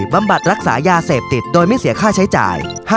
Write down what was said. บำบัดรักษายาเสพติดโดยไม่เสียค่าใช้จ่าย